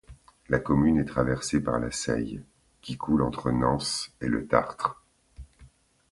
La commune est traversée par la Seille, qui coule entre Nance et Le Tartre.